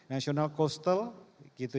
national coastal gitu ya